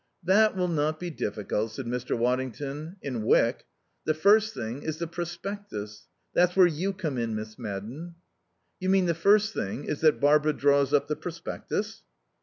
"That will not be difficult," said Mr. Waddington, "in Wyck.... The first thing is the prospectus. That's where you come in, Miss Madden." "You mean the first thing is that Barbara draws up the prospectus."